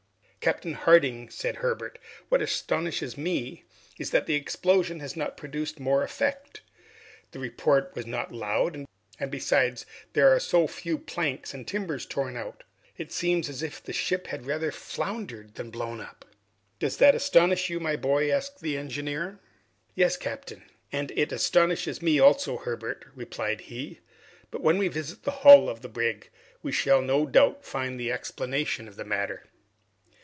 "Captain Harding," said Herbert, "what astonishes me is that the explosion has not produced more effect. The report was not loud, and besides there are so few planks and timbers torn out. It seems as if the ship had rather foundered than blown up." "Does that astonish you, my boy?" asked the engineer. "Yes, captain." "And it astonishes me also, Herbert," replied he, "but when we visit the hull of the brig, we shall no doubt find the explanation of the matter."